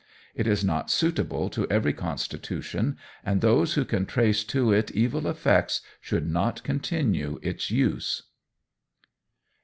It is not suitable to every constitution, and those who can trace to it evil effects should not continue its use.